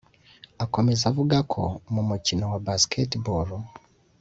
Akomeza avuga ko mu mukino wa Basketball